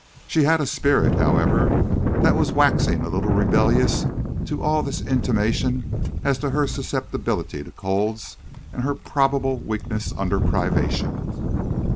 She had a spirit, however, that was waxing a little rebellious to all this intimation as to her susceptibility to colds and her probable weakness under privation.